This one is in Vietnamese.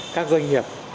các doanh nghiệp